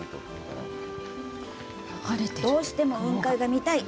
どうしても雲海が見たい！